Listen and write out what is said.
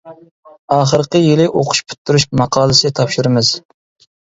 ئاخىرقى يىلى ئوقۇش پۈتتۈرۈش ماقالىسى تاپشۇرىمىز.